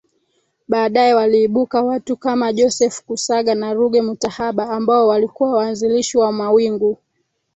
Baadae waliibuka watu Kama Joseph kusaga na Ruge Mutahaba ambao walikuwa waanzilishi wa mawingu